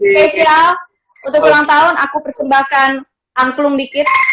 spesial untuk ulang tahun aku persembahkan angklung dikit